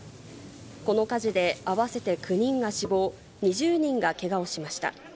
この火事で、合わせて９人が死亡、２０人がけがをしました。